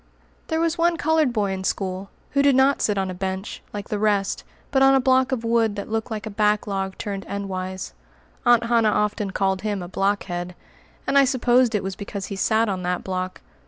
There was one colored boy in school, who did not sit on a bench, like the rest, but on a block of wood that looked like a backlog turned endwise. Aunt Hannah often called him a "blockhead," and I supposed it was because he sat on that block.